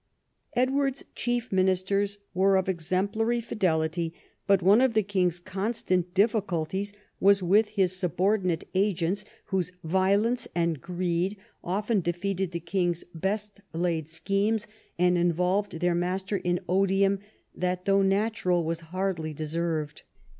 Edward's chief ministers were of exemplary fidelity, but one of the king's constant difficulties was with his subordinate agents, whose violence and greed often defeated the king's best laid schemes and involved their master in odium that though natural was hardly deserved.